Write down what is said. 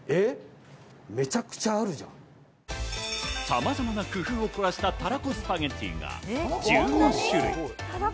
さまざまな工夫を凝らした、たらこスパゲッティが１５種類。